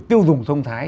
tiêu dùng thông thái